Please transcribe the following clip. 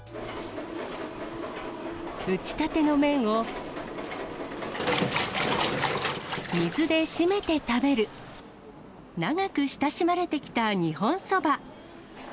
打ちたての麺を、水で締めて食べる長く親しまれてきた日本そば。